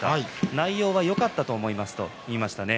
内容はよかったと思いますと言いました。